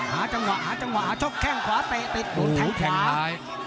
หาจังหวะหาจังหวะหาชกแข้งขวาเตะติดโดนแทงซ้าย